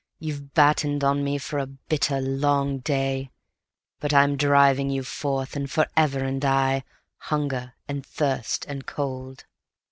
You've battened on me for a bitter long day; But I'm driving you forth, and forever and aye, Hunger and Thirst and Cold."